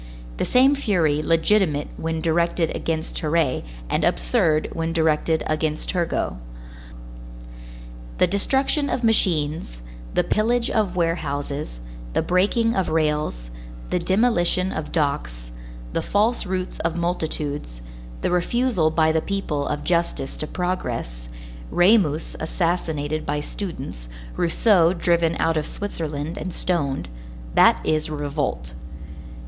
The same fury legitimate when directed against Terray and absurd when directed against Turgot. The destruction of machines, the pillage of warehouses, the breaking of rails, the demolition of docks, the false routes of multitudes, the refusal by the people of justice to progress, Ramus assassinated by students, Rousseau driven out of Switzerland and stoned,—that is revolt.